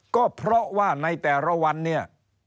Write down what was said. ก็เพราะว่าในแต่ละวันเนี่ย